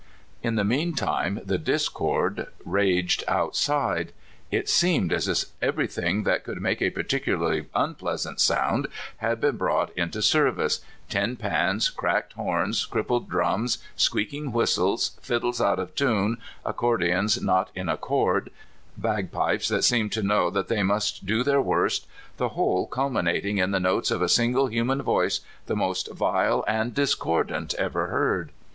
In the meantime the discord raged outside. It seemed as if everything that could make a partic ularly unpleasant sound had been brought into service — tin pans, cracked horns, crippled drums, squeaking whistles, fiddles out of tune, accordions not in accord, bagpipes that seemed to know that they must do their worst — the whole culminating in the notes of a single human voice, the most vile and discordant ever heard.